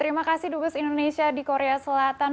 terima kasih dubes indonesia di korea selatan